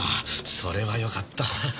それはよかった。